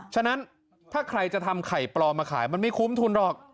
ฉะนั้นถ้าใครจะทำไข่ปลอมมาขายมันไม่คุ้มทุนหรอก